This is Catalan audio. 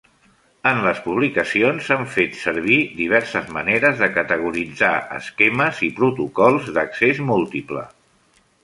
En les publicacions s'han fet servir diverses maneres de categoritzar esquemes i protocols d'accés múltiple.